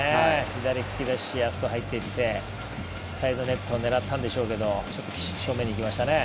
左利きでしたしあそこ、入っていってサイドネットを狙ったんでしょうけど正面にいきましたね。